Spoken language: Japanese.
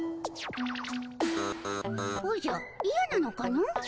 おじゃいやなのかの。